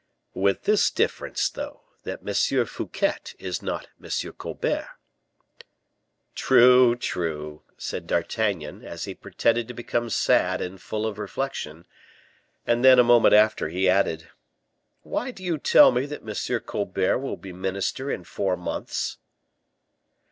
"With this difference, though, that M. Fouquet is not M. Colbert." "True, true," said D'Artagnan, as he pretended to become sad and full of reflection; and then, a moment after, he added, "Why do you tell me that M. Colbert will be minister in four months?"